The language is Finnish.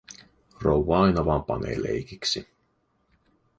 Rouva aina vaan panee leikiksi.